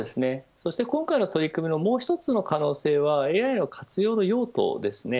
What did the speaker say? そして今回の取り組みのもう一つの可能性はＡＩの活用の用途です。